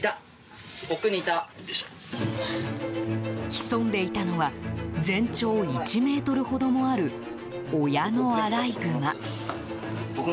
潜んでいたのは全長１ｍほどもある親のアライグマ。